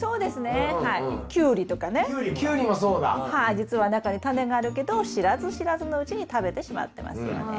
じつは中にタネがあるけど知らず知らずのうちに食べてしまってますよね。